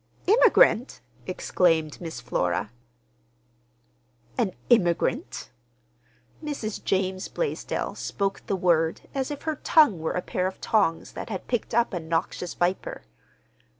"Immigrant!" exclaimed Miss Flora. "An immigrant!" Mrs. James Blaisdell spoke the word as if her tongue were a pair of tongs that had picked up a noxious viper.